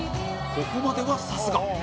ここまではさすが